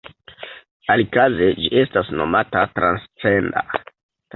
Alikaze, ĝi estas nomata "transcenda".